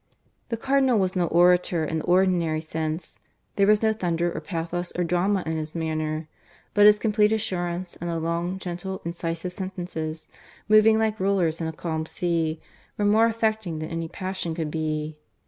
The Cardinal was no orator in the ordinary sense; there was no thunder or pathos or drama in his manner. But his complete assurance and the long, gentle, incisive sentences, moving like rollers in a calm sea, were more affecting than any passion could be.